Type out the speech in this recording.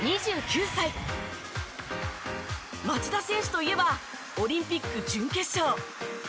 町田選手といえばオリンピック準決勝。